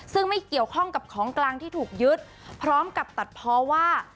ซึ่งไม่เกี่ยวข้องกับของกลางที่ถูกยึดพร้อมกับตัดเพราะว่า